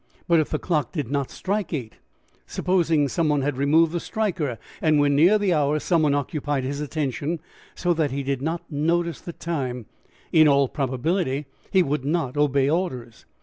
But if the clock did not strike eight, supposing some one had removed the striker, and when near the hour some one occupied his attention so that he did not notice the time, in all probability he would not obey orders.